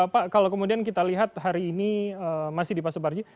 pak kalau kemudian kita lihat hari ini masih di pak suparji